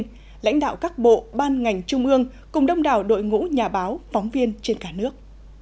đồng chí nguyễn thiện nhân lãnh đạo các bộ ban ngành trung ương cùng đông đảo đội ngũ nhà báo phóng viên trên cả nước